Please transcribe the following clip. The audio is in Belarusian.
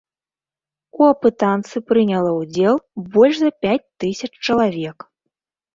У апытанцы прыняла ўдзел больш за пяць тысяч чалавек.